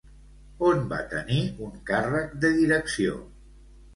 On va tenir un càrrec de direcció?